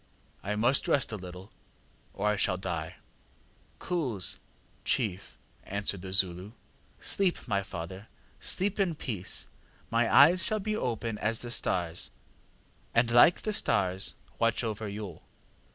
I must rest a little, or I shall die. ŌĆÖ ŌĆ£ŌĆśKoos! ŌĆÖ (chief), answered the Zulu. ŌĆśSleep, my father, sleep in peace; my eyes shall be open as the stars; and like the stars watch over you.